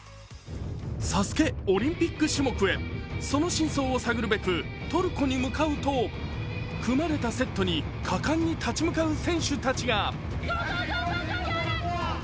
ＳＡＳＵＫＥ、オリンピック種目へその真相を探るべくトルコに向かうと組まれたセットに果敢に立ち向かう選手たちが。